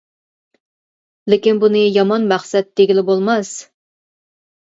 لېكىن بۇنى يامان مەقسەت دېگىلى بولماس!